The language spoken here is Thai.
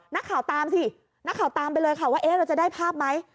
นักข่าวตามสินักข่าวตามไปเลยค่ะว่าเอ๊ะเราจะได้ภาพไหม